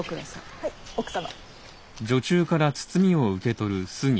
はい奥様。